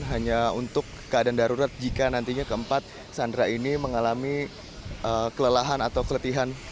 hanya untuk keadaan darurat jika nantinya keempat sandera ini mengalami kelelahan atau keletihan